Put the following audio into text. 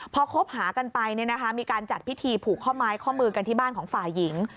พอคบหากันไปมีการจัดพิธีผูกข้อไม้ข้อมือกันที่บ้านของฝ่ายหญิง